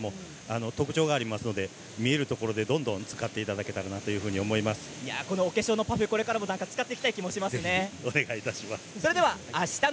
特徴があるので見えるところでどんどん使っていただけたらとお化粧のパフこれから使っていきたいと思います。